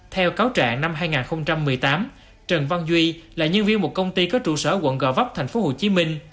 theo cáo trạng năm hai nghìn một mươi tám trần văn duy là nhân viên một công ty có trụ sở quận gò vấp tp hcm